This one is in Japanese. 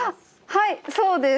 はいそうです。